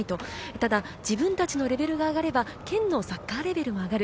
ただ自分たちのレベルが上がれば県のサッカーレベルも上がる。